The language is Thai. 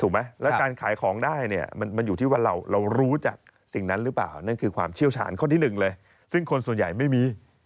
แล้วการขายของได้เนี่ยมันอยู่ที่ว่าเรารู้จักสิ่งนั้นหรือเปล่านั่นคือความเชี่ยวชาญข้อที่หนึ่งเลยซึ่งคนส่วนใหญ่ไม่มี